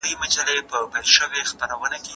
اضافه یې یوه بله تجربه کړه